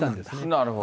なるほど。